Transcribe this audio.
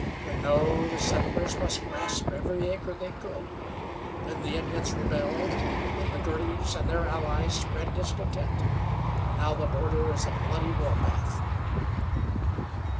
But no; the settlers must grasp every acre they could. Then the Indians rebelled; then the Girtys and their allies spread discontent, and now the border is a bloody warpath."